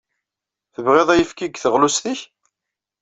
Tebɣiḍ ayefki deg teɣlust-ik?